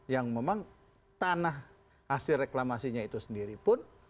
yang memang tanah hasil reklamasinya itu sendiri pun